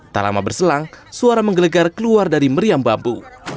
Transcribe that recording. tak lama berselang suara menggelegar keluar dari meriam bambu